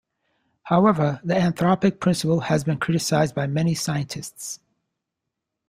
However, the anthropic principle has been criticised by many scientists.